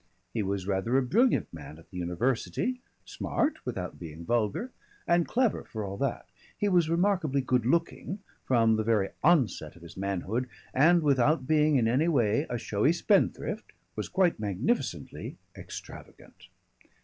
He was rather a brilliant man at the university, smart without being vulgar and clever for all that. He was remarkably good looking from the very onset of his manhood and without being in any way a showy spendthrift, was quite magnificently extravagant.